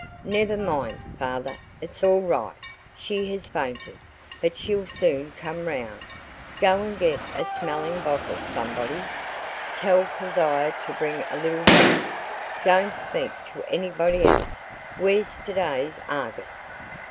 Never mind, father, it's all right. She has fainted, but she'll soon come round. Go and get a smelling bottle, somebody. Tell Keziah to bring a little brandy don't speak to anybody else. Where's today's ARGUS?"